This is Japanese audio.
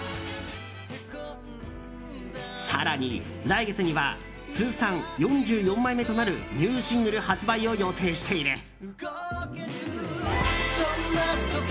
更に、来月には通算４４枚目となるニューシングル発売を予定している。